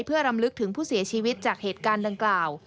เพื่อรำลึกถึงผู้เสียชีวิตจากเหตุการณ์ดังกล่าว